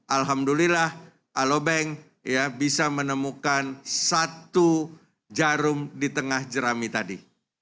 alhamdulillah alobank bisa menemukan satu jarum di tengah jerami tadi